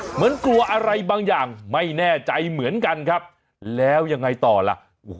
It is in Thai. เหมือนกลัวอะไรบางอย่างไม่แน่ใจเหมือนกันครับแล้วยังไงต่อล่ะ